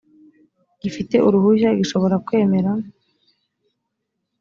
gifite uruhushya gishobora kwemera